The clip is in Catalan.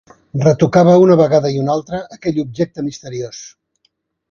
Retocava una vegada i una altra aquell objecte misteriós.